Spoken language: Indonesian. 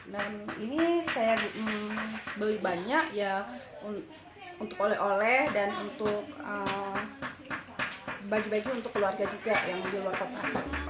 dan ini saya beli banyak ya untuk oleh oleh dan untuk bagi bagi untuk keluarga juga yang di luar kota